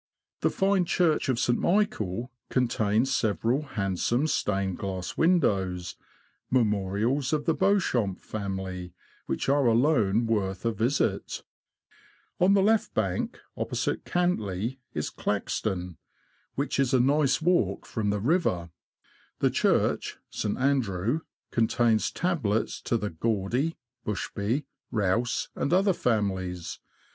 The fine church of St. Michael contains LOWESTOFT TO NORWICH. 65 several handsome stained glass windows, memorials of the Beauchamp family, which are alone worth a visit. On the left bank, opposite Cantley, is Claxton, which is a nice walk from the river. The church (St. Andrew) contains tablets to the Gawdy, Bushby, Rouse, and other families.